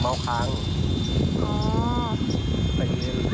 ขอบคุณครับ